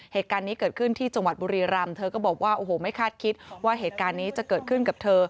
เหตุการณ์นี้เกิดขึ้นที่จังหวัดบุรีรำเธอก็บอกว่าโอ้โหไม่คาดคิดว่าเหตุการณ์นี้จะเกิดขึ้นกับเธอ